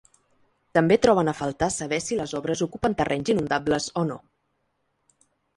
També troben a faltar saber si les obres ocupen terrenys inundables o no.